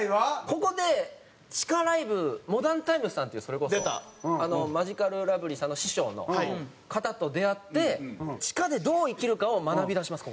ここで地下ライブモダンタイムスさんっていうそれこそマヂカルラブリーさんの師匠の方と出会って地下でどう生きるかを学びだします